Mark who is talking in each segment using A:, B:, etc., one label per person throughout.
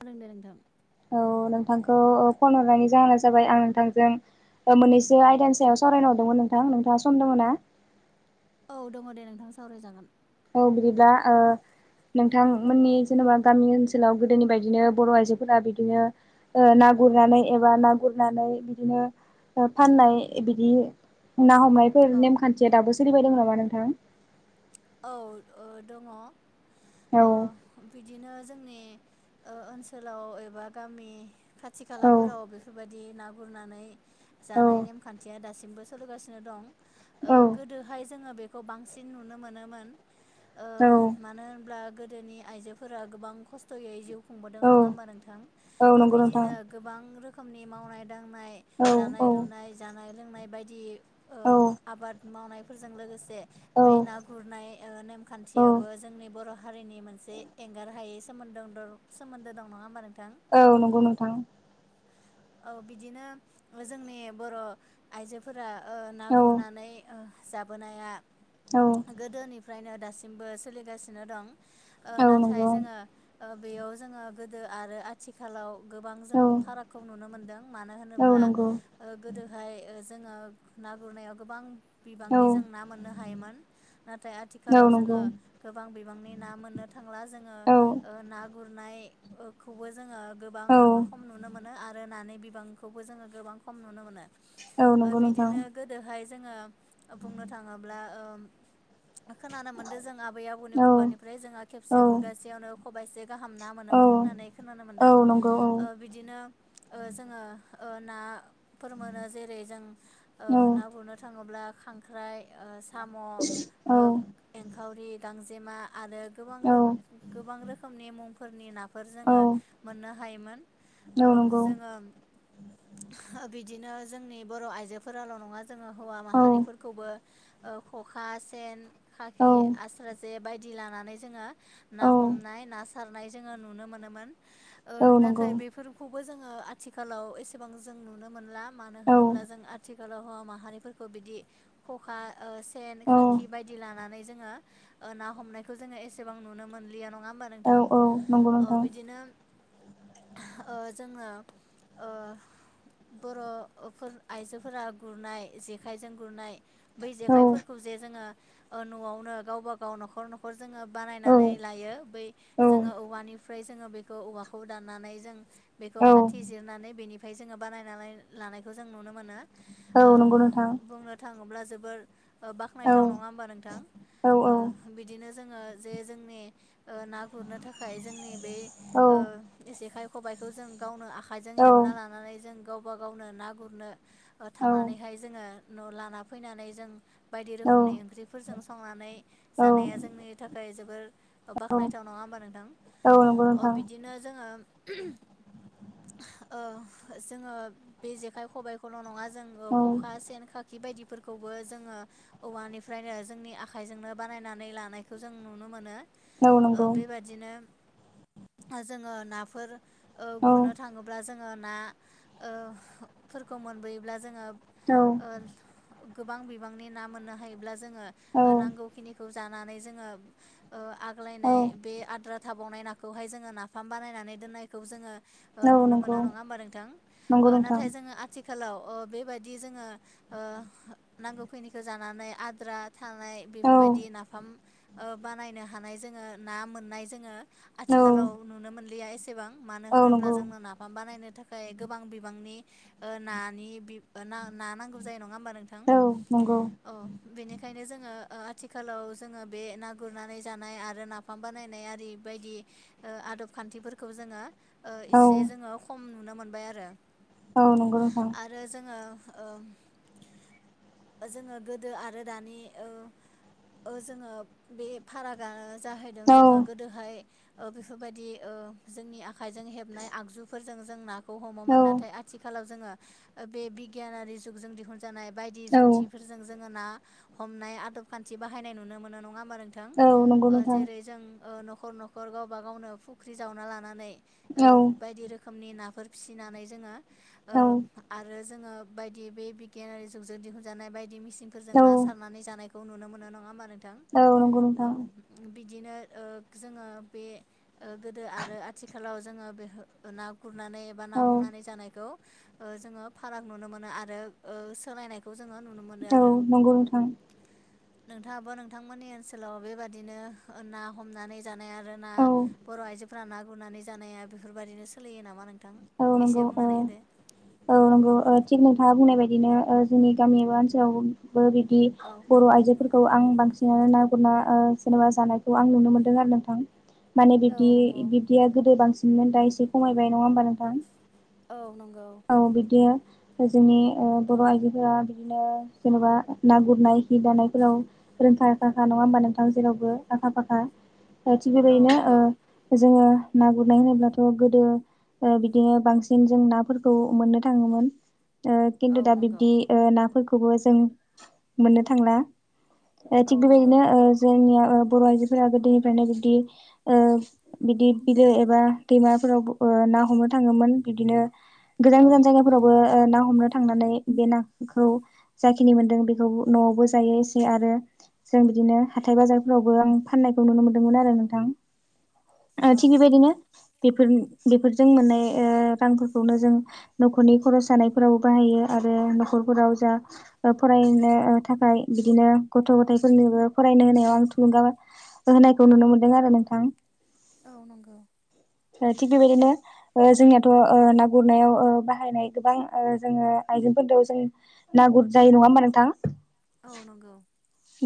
A: खोनादों दे नोंथां।
B: औ नोंथांखौ फन हरनायनि जाहोना जाबाय आं नोंथांजों ओ मोननैसो आयदानि सायाव सावरायनो हरदोंमोन नोंथां, नोंथाङा सम दङ ना?
A: औ दङ दे नोंथां सावरायजागोन।
B: औ बिदिब्ला ओ नोंथांमोननि जेनेबा गामि ओनसोलाव गोदोनि बायदिनो बर' आइजोफोरा बिदिनो ओ ना गुरनानै एबा ना गुरनानै बिदिनो ओ फाननाय बिदि ना हमनायफोर
A: औ
B: नेम खान्थिया दाबो सोलिबाय दं नामा नोंथां?
A: औ ओ दङ ओ
B: औ
A: बिदिनो जोंनि ओ ओनसोलाव एबा गामि खाथि
B: औ
A: खालाफोराव बेफोरबायदि ना गुरनानै।
B: औ
A: जानाय नेमखान्थिया दासिमबो सोलिगासिनो दं ओ
B: औ
A: गोदोहाय जोङो बे खौ बांसिन नुनो मोनोमोन ओ
B: औ
A: मानो होनब्ला गोदोनि आइजोफोरा गोबां खस्थ'यै जिउ खुंबोदों
B: औ
A: नङा होमबा नोंथां
B: औ नंगौ नोंथां
A: बिदिनो गोबां रोखोमनि मावनाय दांनाय
B: औ
A: दानाय
B: औ
A: लुनाय जानाय लोंनाय बायदि ओ
B: औ
A: आबाद मावनाय फोरजों लोगोसे
B: औ
A: बे ना गुरनाय ओ
B: औ
A: नेमखान्थियावबो जोंनि बर' हारिनि मोनसे एंगार हायै सोमोन्दोर सोमोन्दो दं नङा होमबा नों
B: औ नंगौ नोंथां
A: औ बिदिनो जोंनि बर' आइजोफोरा ओ ना
B: औ
A: गुरनानै ओ जाबोनाया
B: औ
A: गोदोनिफ्रायनो दासिमबो सोलिगासिनो दं ओ
B: औ
A: नाथाय
B: नंगौ
A: जोङो ओ बेयाव जोङो गोदो आरो आथिखालाव गोबां
B: औ
A: जों फारागखौ नुनो मोनदों मानो
B: औ
A: होनोब्ला
B: नंगौ
A: ओ गोदोहाय ओ जोङो ना गुरनायाव गोबां
B: औ
A: बिबांनि जों ना मोननो हायोमोन नाथाय
B: औ
A: आथिखालाव जोङो
B: नंगौ
A: गोबां बिबांनि ना मोननो था ला जोङो
B: औ
A: ना गुरनायखौबो जोङो गोबां
B: औ
A: खम नुनो मो नो आरो नानि बिबांखौबो जोङो गोबां खम नुनो मोनो
B: औ
A: ओ
B: नंगौ नोंथां
A: बिदिनो गोदोहाय जोङो बुंनो थाङोब्ला ओ खोनानो मोन्दों जों आबै आबौनि
B: औ
A: खुगानिफ्राय जोंहा
B: औ
A: खेबसे गुरगासेयावनो खबाइसे गाहाम ना
B: औ
A: मोनोमोन होननानै खोनानो
B: औ
A: मोन्दों
B: नंगौ औ
A: ओ बिदिनो ओ जोङो ओ ना फोर मोनो जेरै जों ओ
B: औ
A: ना गुरनो थाङोब्ला खांख्राइ ओ साम'
B: औ
A: ओ एंखावरि, गांजेमा आरो गोबां
B: औ
A: रो रोखोमनि मुंफोरनि नाफोर
B: औ
A: जोङो मोननो हायोमोन ओ
B: नंगौ
A: जोङो ओ बिदिनो जोंनि बर' आइजोफोराल' नङा जोङो हौवा
B: औ
A: माहारिफोरखौबो ओ खखा, सेन,
B: औ
A: खाखि, आस्रा जे बाय दि लानानै जोङो
B: औ
A: ना हमनाय ना सारनाय जोङो नुनो मोनोमोन ओ
B: औ नंगौ
A: नाथाय बेफोरखौबो जोङो आथिखालाव एसेबां जों नुनो मोनला मानो होनोब्ला
B: औ
A: जों आथिखालाव हौवा माहारिफोरखौ बिदि खखा सेन,
B: औ
A: खाखि बायदि लानानै जोङो ना हमनायखौ जोङो एसेबां नुनो मोनलिया नङा हबा
B: औ
A: नोंथां
B: नंगौ नोंथां
A: बिदिनो जोङो ओ बर'फोर आइजोफोरा गुरनाय जेखाइजों गुरनाय बै
B: औ
A: जेखायफोरखौ जे जोङो ओ न'आवनो गावबा गाव न'खर न'खर जोङो
B: औ
A: बानायनानै लायो बै
B: औ
A: जोङो औवानिफ्राय जोङो बेखौ औवाखौ दाननानै जों बेखौ
B: औ
A: खाथि जिरनानै बेनिफ्राय जोङो बानायनानै लानायखौ जों नुनो मोनो
B: औ
A: ओ
B: नंगौ नोंथां
A: बुंनो थाङोब्ला जोबोर
B: औ
A: बाख्नायथाव नङा होमबा नोंथां
B: औ
A: ओ बिदिनो जोङो जे जोंनि ना गुरनो थाखाय जोंनि बे
B: औ
A: ओ जेखाय खबाइखौ जों गावनो आ खाइजों हेबना लानानै जों गावबा गावनो ना गुरनो थांनानैहाय जोङो न' लाना फैनानै जों बायदि रोखोमनि ओंख्रिफोरजों संनानै
B: औ
A: जानाया जोंनि थाखाय जोबोर
B: औ
A: बाख्नायथाव नङा हो मबा नोंथां
B: औ नंगौ
A: अ
B: नोंथां
A: बिदिनो जोङो ओ जोङो ओ बे जेखाइ खबाइखौल' नङा जोङो
B: औ
A: खखा, सेन, खाखि बायदि फोरखौबो जोङो औवानिफ्रायनो जोंनि आखाइजोंनो बानायनानै लानायखौ जों नुनो मोनो
B: औ
A: ओ
B: नंगौ
A: बेबादिनो जोङो नाफोर
B: औ
A: गुरनो थाङोब्ला जोङो ना ओ फोरफोरखौ मोनबोयोब्ला जोङो
B: औ
A: ओ गोबां बिबांनि ना मोननो हायोब्ला जोङो
B: औ
A: नांगौखिनिखौ जानानै जोङो
B: औ
A: आग्लायनाय बे आद्रा था बावनाय नाखौहाय जोङो नाफाम बानायनानै दोन्नायखौ जोङो
B: औ
A: नुनो
B: नंगौ
A: मोनो नङा होमबा नोंथां
B: नंगौ नोंथां
A: नाथाय जोङो आथिखाल आथिखालाव बेबायदि जोङो नांगौखिनिखौ जानानै आद्रा थानाय
B: औ
A: बेफोरबायदि नाफाम बानायनो हानाय जोङो ना मोननाय जोङो
B: औ
A: आथिखालाव नुनो मोनलिया एसेबां मानो
B: औ
A: होनोब्ला
B: नंगौ
A: जोंङो नाफाम बानायनो थाखाय गोबां बिबांनि नानि बि ना ना नांगौ जायो नङा होमबा नोंथां
B: औ नंगौ
A: औ बेनिखायनो जोङो आथिखालाव जोङो बे ना गुरनानै जानाय आरो नाफाम बानायनाय आरि बायदि आदब खान्थिफोरखौ जोङो ओ
B: औ
A: इसे जोङो खम नुनो मोनबाय आरो
B: औ नंगौ नोंथां
A: आरो जोङो ओ जोङो गोदो आरो दानि ओ ओ जोङो बे फारागानो जाहैदों
B: औ
A: जोङो गोदोहाय ओ बेफोरबायदि ओ जोंनि आ आखाइजों हेबनाय आगजुफोरजों जों नाखौ हमोमोन
B: औ
A: नाथाय आथिखालाव जोङो बे बिगियानारि जुगजों दिहुनजानाय बायदि
B: औ
A: जुनथिफोरजों जोङो ना हमनाय आदब खान्थि बाहायनाय नुनो मोनो नङा होमबा नोंथां।
B: औ नंगौ
A: ओ
B: नोंथां
A: जेरै जों ओ नख' र न'खर गावबा गावनो फुख्रि जावना लानानै ओ
B: औ
A: बायदि रो खोमनि नाफोर फिसिनानै जोङो ओ
B: औ
A: आरो जोङो बायदि बे बिगियानारि जुग जों दिहुनजानाय बायदि मेसिनफोरजों ना
B: औ
A: सारनानै जानाय खौ नुनो मोन नङा होनबा नों
B: औ नंगौ नोंथां।
A: बिदिनो ओ जोङो बे ओ गोदो आरो आथिखालाव जोङो बे ना गुरनानै एबा ना हमनानै
B: औ
A: जानायखौ ओ जोङो फाराग नुनो मोनो आरो ओ सोलायनायखौ जोङो नुनो मोनो आरो।
B: औ नंगौ नोंथां
A: नोंथाङाबो नोंथांमोननि ओनसोलाव बेबादिनो ना हमनानै जानाया आरो ना
B: औ
A: बर' आइजोफोरा ना गुरनानै जानाया बेफोरबायदिनो सोलियो नामा नों
B: औ नंगौ ओ औ नंगौ थिग नोंथाङा बुंनाय बाय बिदिनो ओ जोंनि गामि एबा ओनसोलावबो बिदि
A: औ
B: बर' आइजोफोर खौ आं बांसिनानो ना गुरना ओ जेनेबा जानायखौ आं नुनो मोनदों आरो नोंथां माने बिब्दि
A: औ
B: बिब्दिया गोदो बांसिनमोन दा एसे खमायबाय नङा होमबा नोंथां!
A: औ नंगौ
B: औ बिदिया जोंनि ओ बर' आइजोफोरा बिदिनो जेनेबा ना गुरनाय हि दानायफोराव रोंखा राखाखा नङा होमबा नोंथां। जेरावबो आखा फाखा थिग
A: औ
B: बेबायदिनो
A: नंगौ
B: ओ जोङो ना गुरनाय होनोब्लाथ गोदो ओ बिदिनो बांसिन जों नाफोर खौ मोननो थाङोमोन ओ
A: औ
B: खिन्थु दा
A: नंगौ
B: बिब्दि ओ नाफोरखौ खौबो जों मोननो थांला
A: औ
B: थिग
A: नंगौ
B: बेबायदिनो ओ जोंनिया ओ बर' आइजोफोरा गोदोनिफ्रायनो बिदि ओ बिदि बिलो एबा दैमाफोराव ओ हमनो थाङोमोन बिदिनो गोजान गोजान जायगा फोरावबो ना हमनो थांनानै बे नाखौ जाखिनि मोनदों बेखौ न'आवबो जायो एसे आरो जों बिदिनो हाथाय बाजारफोरावबो आं फान्नायखौ नुनो मोनदोंमोन आरो नोंथां।
A: औ
B: थिग बेबायदिनो
A: नंगौ
B: बेफोर बेफोरजों मोननाय ओ रांफोरखौनो जों नखरनि खरस जानायफोरावबो बाहायो आरो नखरफोराव जा फरायनो थाखा य बिदिनो गथ गथायफोरनिबो फरायनो होनायाव आं थुलुंगाबो होनायखौ नुनो मोनदों आरो नोंथां।
A: औ नंगौ
B: थिग बेबायदिनो ओ जोंनियाथ' ओ ना गुरनायाव ओ बाहायनाय गोबां ओ जोङो आइजेंफोर जों ना गुर जायो नङा हा नोंथां
A: औ नंगौ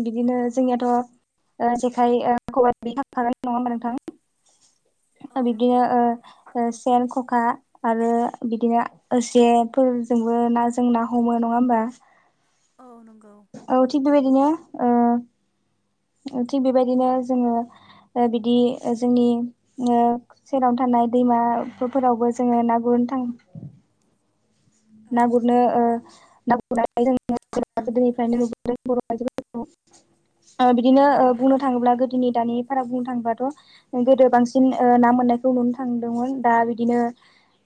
B: बिदिनो जोंनियाथ' ओ जेखाय ओ खबाइ बिदि थांखागोनाय नङा होमबा
A: औ
B: नोंथां! बिदिनो
A: नंगौ
B: ओ ओ सेन खखा आरो बिदिनो एसेफोरजोंबो ना जों ना हमो नङा होनबा
A: औ नंगौ
B: थि बेबायदिनो ओ थिग बेबायदिनो जोङो बिदि जोंनि ओ सेरावनो थानाय दैमाफोरावबो जोङो ना गुर नो थाङो
A: औ
B: ना [unintelligible] ओ बिदिनो
A: औ नंगौ
B: बुंनो थाङोब्ला गोदोनि दानि भारा बुंनो थाङोबाथ' गोदो बांसिन ना मोननायखौ नुनो थांदोंमोन दा बिदिनो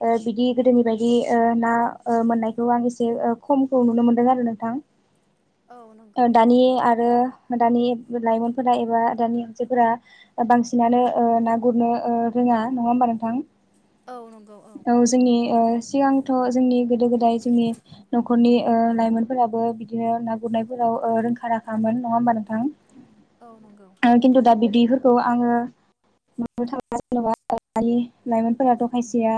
B: ओ बिदि गोदोनि बायदि ओ ना ओ मोननायखौ आं एसे ओ खमखौ नुनो मोनदों आरो नोंथां।
A: औ नंगौ
B: दानि
A: औ
B: आरो दानि लाइमोनफोरा एबा दानि आजोफोरा बांसिनानो ओ ना गुरनो ओ रोङ नङा हबा नोंथां? औ जोंनि सिगांथ जोंनि गोदो गोदाय जोंनि नखरनि लाइमोनफोराबो बिदिनो ना गुरनायफोराव ओ रोंखा राखामोन। नङा होमबा
A: नंगौ
B: नोंथां। खिन्थु दा बिदिफोरखौ आङो [unintelligible] लाइमोनफोराथ' खायसेया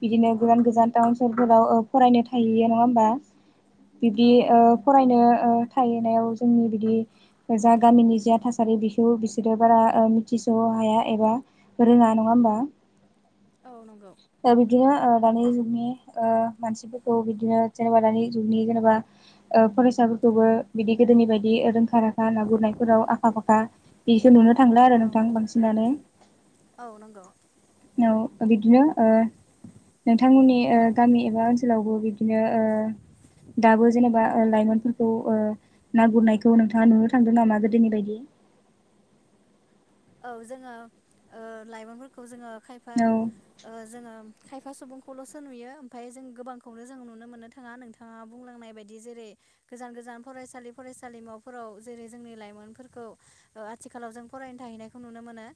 B: बिदिनो गोदान गोजान टाउन स फोराव ओ फरायनो थाहैयो नङा होमबा बिब्दि
A: औ नंगौ औ नंगौ
B: ओ
A: नंगौ
B: फरायनो ओ थाहैनायाव जोंनि बिदि जा गामिनि जा थासारि बिखौ बिसोरो बारा मिथिसह हाया एबा रोङा नङा होमबा।
A: औ नंगौ।
B: दिनो ओ दानि जुगनि ओ मानसिफोरखौ बिदिनो जेनेबा दानि जुगनि जेनेबा ओ फरायसाफोरखौबो बिदि गोदोनि बायदि रोंखा राखा ना गुरनायफोराव आखा फाखा बेसो नुनो थांला आरो नोंथां
A: औ
B: बांसिनानो।
A: औ नंगौ
B: औ बिदिनो ओ नोंथांमोननि ओ गामि [unintelligible] ओनसोलावबो बिदिनो ओ दाबो जेनेबा लाइमोनफोरखौ ओ ना गुरनायखौ नोंथाङा नुनो थांदों नामा गोदोनि बायदि?
A: [inaudible] औ जोङो ओ लाइमोनफोरखौ जोङो खायफा
B: औ
A: ओ जोङो खायफा सुबुंखौल'सो नुयो ओमफ्राय जों गोबांखौनो जों नुनो मोननो थाङा नोंथाङा बुंलांनाय बायदि जेरै गोजान गोजान फरायसालि फरायसालिमाफोराव जेरै जोंनि लाइमोनफोरखौ ओ आथिखालाव जों फ फरायनो थाहैनायखौ नुनो मोनो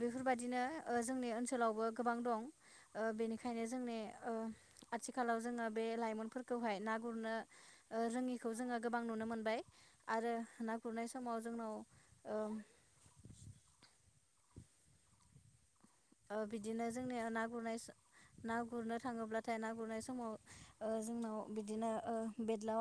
A: बेफोरबायदिनो जोंनि ओनसोलावबो गोबां दं। ओ बेनिखायनो जोंनि ओ आथिखालाव जोङो बे लाइमोनफोरखौहाय ना गुरनो ओ रोङिखौ जोङो गोबां नुनो मोनबाय। आरो ना गुरनाय समाव जोंनाव ओं। ओ बिदिनो जोंनि ना गुरनाय सो ना गुरनो थाङोब्लाथाय ना गुरनाय समाव ओ जोंनाव बिदिनो बेदलाव